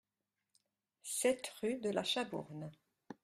sept rue de la Chabourne